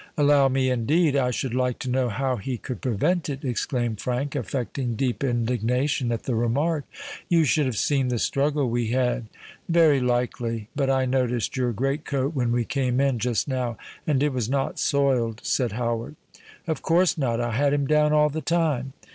"Allow me, indeed! I should like to know how he could prevent it," exclaimed Frank, affecting deep indignation at the remark. "You should have seen the struggle we had!" "Very likely: but I noticed your great coat when we came in just now—and it was not soiled," said Howard. "Of course not: I had him down all the time."